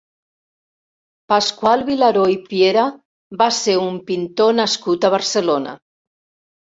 Pasqual Vilaró i Piera va ser un pintor nascut a Barcelona.